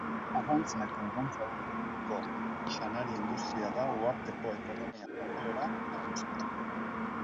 Arrantza eta arrantzaren inguruko janari-industria da uharteko ekonomia-jarduera nagusia.